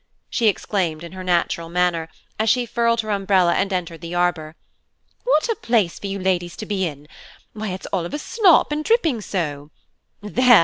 she exclaimed, in her natural manner, as she furled her umbrella and entered the arbour, "what a place for you ladies to be in! Why, it's all of a slop, and dripping so. There!